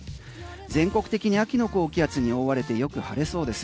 全国的に秋の高気圧に覆われてよく晴れそうです。